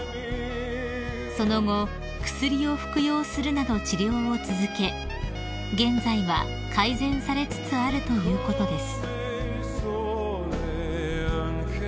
［その後薬を服用するなど治療を続け現在は改善されつつあるということです］